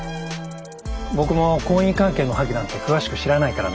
僕も婚姻関係の破棄なんて詳しく知らないからね。